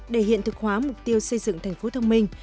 để hiện thực hóa mục tiêu xây dựng thành phố thông minh